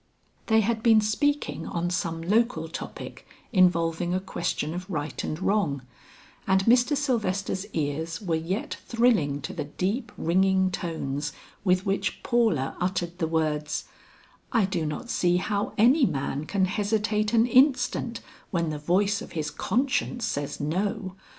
They had been speaking on some local topic involving a question of right and wrong, and Mr. Sylvester's ears were yet thrilling to the deep ringing tones with which Paula uttered the words, "I do not see how any man can hesitate an instant when the voice of his conscience says no.